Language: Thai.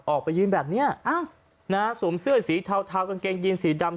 ออกไปยืนแบบนี้สวมเสื้อสีเทากางเกงยีนสีดำ